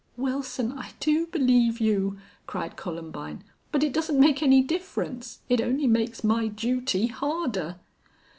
"Wilson, I do believe you," cried Columbine. "But it doesn't make any difference. It only makes my duty harder."